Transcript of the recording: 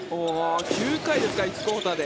９回ですか１クオーターで。